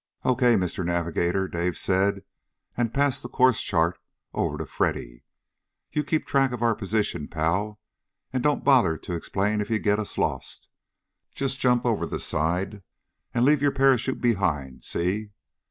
"Okay, Mister Navigator," Dave said, and passed the course chart over to Freddy. "You keep track of our position, pal. And don't bother to explain if you get us lost. Just jump over the side and leave your parachute behind, see?"